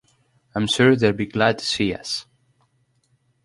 I'm sure they'd be glad to see us.